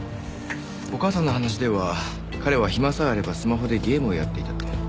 お母さんの話では彼は暇さえあればスマホでゲームをやっていたって。